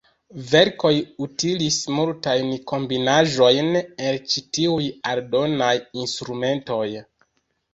Verkoj utilis multajn kombinaĵojn el ĉi tiuj aldonaj instrumentoj.